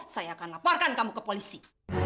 saya akan laporkan kamu ke polisi